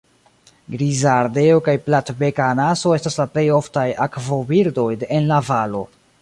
Griza ardeo kaj platbeka anaso estas la plej oftaj akvobirdoj en la valo.